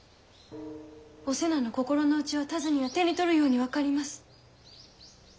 お瀬名の心の内は田鶴には手に取るように分かります。